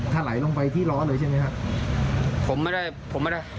ทะไหลลงไปที่ล้อเลยใช่ไหมครับ